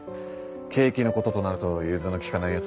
ケーキの事となると融通の利かない奴で。